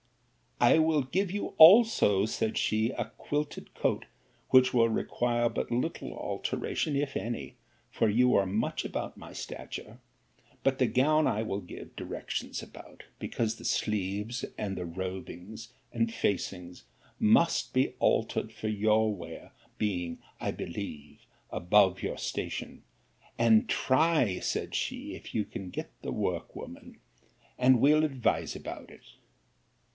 'I will give you also, said she, a quilted coat, which will require but little alteration, if any; for you are much about my stature: but the gown I will give directions about, because the sleeves and the robings and facings must be altered for your wear, being, I believe, above your station: and try, said she, if you can get the workwoman, and we'll advise about it.